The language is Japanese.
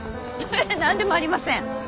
何でもありません。